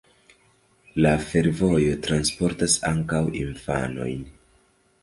La fervojo transportas ankaŭ infanojn.